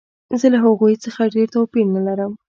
زه له هغوی څخه ډېر توپیر نه لرم